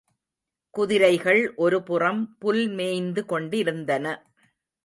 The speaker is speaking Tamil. குதிரைகள் ஒருபுறம் புல்மேய்ந்து கொண்டிருந்தன.